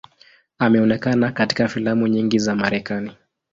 Ameonekana katika filamu nyingi za Marekani.